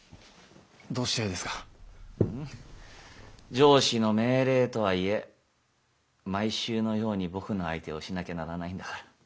上司の命令とはいえ毎週のように僕の相手をしなきゃならないんだから。